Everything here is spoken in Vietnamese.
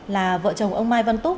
là vợ chồng ông mai văn túc